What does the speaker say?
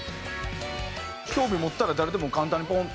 興味持ったら誰でも簡単にポーンと？